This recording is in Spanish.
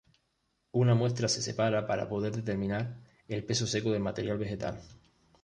Una muestra se separa para poder determinar el peso seco del material vegetal.